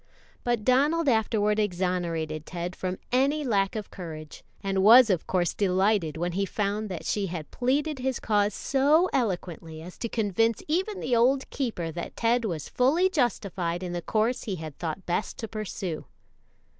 But Donald afterward exonerated Ted from any lack of courage, and was of course delighted when he found that she had pleaded his cause so eloquently as to convince even the old keeper that Ted was fully justified in the course he had thought best to pursue.